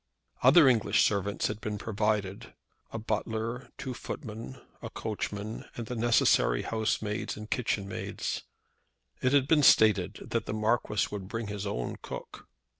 Other English servants had been provided, a butler, two footmen, a coachman, and the necessary housemaids and kitchen maids. It had been stated that the Marquis would bring his own cook.